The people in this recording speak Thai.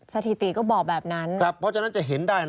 สถิติก็บอกแบบนั้น